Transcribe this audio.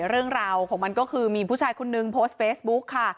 เรื่องราวของมันก็คือมีผู้ชายคนนึงโพสต์เฟซบุ๊กค่ะ